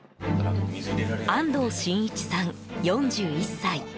安藤慎一さん、４１歳。